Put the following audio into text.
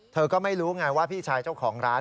เธอก็ไม่รู้ไงว่าพี่ชายเจ้าของร้าน